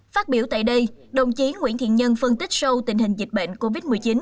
phát biểu tại đây đồng chí nguyễn thiện nhân phân tích sâu tình hình dịch bệnh covid một mươi chín